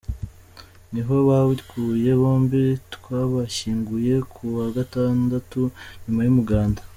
Niho baguye bombi twabashyinguye ku wa gatandatu nyuma y’umuganda.